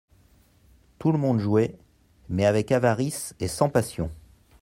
Tout le monde jouait, mais avec avarice et sans passion.